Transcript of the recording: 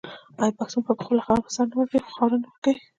آیا پښتون په خپله خاوره سر نه ورکوي خو خاوره نه ورکوي؟